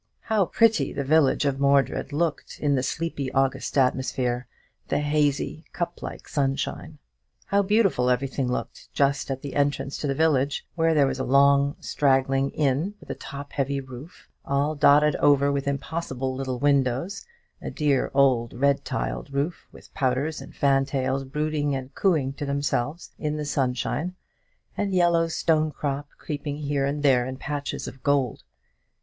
How pretty the village of Mordred looked in the sleepy August atmosphere, the hazy, Cuyp like sunshine! How beautiful everything looked just at the entrance to the village, where there was a long straggling inn with a top heavy roof, all dotted over with impossible little windows, a dear old red tiled roof, with pouters and fantails brooding and cooing to themselves in the sunshine, and yellow stonecrop creeping here and there in patches of gold!